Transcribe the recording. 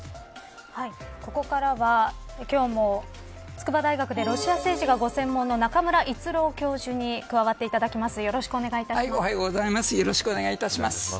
ここからは、今日も筑波大学でロシア政治がご専門の中村逸郎教授に加わっていただきます。